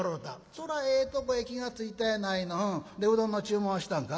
「そらええとこへ気が付いたやないの。でうどんの注文はしたんか」。